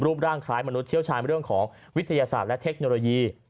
ร่างคล้ายมนุษยเชี่ยวชาญเรื่องของวิทยาศาสตร์และเทคโนโลยี